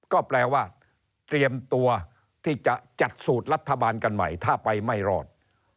ก็แปลว่าเตรียมตัวที่จะจัดสูตรรัฐบาลกันใหม่ถ้าไปไม่รอด